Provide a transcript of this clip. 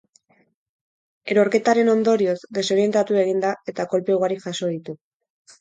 Erorketaren ondorioz, desorientatu egin da eta kolpe ugari jaso ditu.